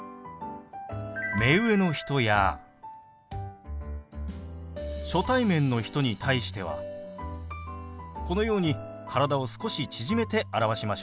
目上の人や初対面の人に対してはこのように体を少し縮めて表しましょう。